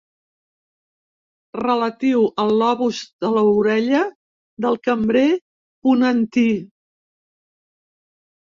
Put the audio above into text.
Relatiu al lobus de l'orella del cambrer ponentí.